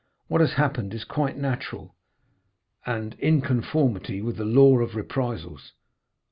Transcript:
What has happened is quite natural, and in conformity with the law of reprisals.